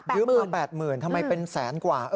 เพิ่มมา๘๐๐๐๐บาททำไมเป็นแสนกว่า